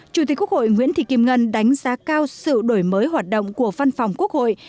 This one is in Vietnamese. chủ tịch quốc hội nguyễn thị kim ngân đánh giá cao sự đổi mới hoạt động của văn phòng quốc hội